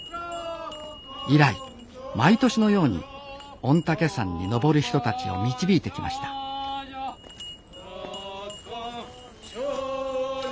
以来毎年のように御嶽山に登る人たちを導いてきました六根清浄。